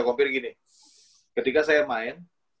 copy begini ketika saya main